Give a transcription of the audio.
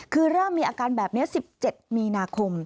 คือเริ่มมีอาการแบบนี้๑๗มีนาคม